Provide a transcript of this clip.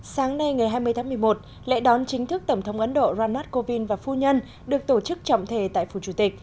sáng nay ngày hai mươi tháng một mươi một lễ đón chính thức tổng thống ấn độ ranath kovind và phu nhân được tổ chức trọng thể tại phủ chủ tịch